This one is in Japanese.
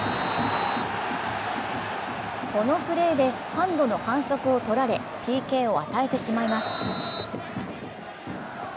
このプレーでハンドの反則をとられＰＫを与えてしまいます。